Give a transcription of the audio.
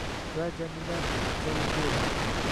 Va jamila zaifa erdi